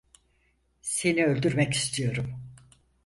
Seni öldürmek istiyorum.